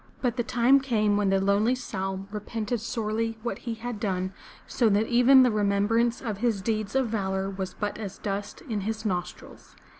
But the time came when the lonely Saum repented sorely what he had done, so that even the remembrance of his deeds of valor was but as dust in his nostrils.